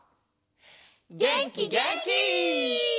げんきげんき！